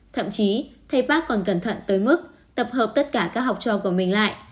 thậm chí thầy park còn cẩn thận tới mức tập hợp tất cả các học trò của mình lại